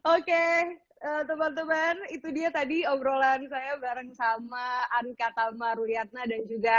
oke teman teman itu dia tadi obrolan saya bareng sama anka tama ruliatna dan juga